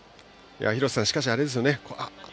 廣瀬さん、しかしあれですね